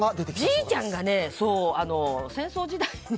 じいちゃんが戦争時代に。